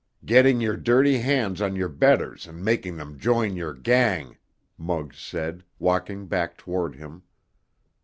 "Getting your dirty hands on your betters and making them join your gang!" Muggs said, walking back toward him.